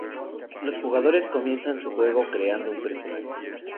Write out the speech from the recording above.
Los jugadores comienzan su juego creando un personaje.